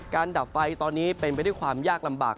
ดับไฟตอนนี้เป็นไปด้วยความยากลำบาก